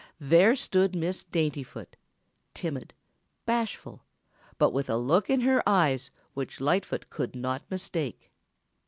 There stood Miss Daintyfoot, timid, bashful, but with a look in her eyes which Lightfoot could not mistake.